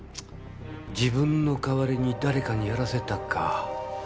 自分の代わりに誰かにやらせたか。